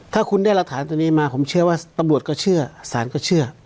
เมื่อคุณได้รักฐานนี้มาผมเชื่อว่าตัวบุรทศ์ก็เชื่อสารก็เชื่อ